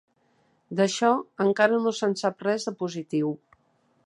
D'això, encara no se'n sap res de positiu.